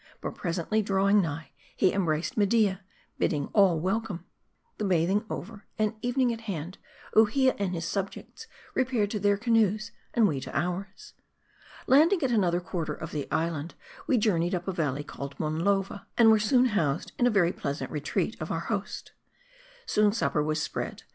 But presently drawing nigh, he embraced Media, bidding all welcomes The bathing over, and evening at hand, Uhia and his subjects repaired to their canoes ; and we to ours. Landing at another quarter of the island, we journeyed up a valley called Monlova, and were soon housed in a very pleasant retreat of our host. Soon supper. was spread.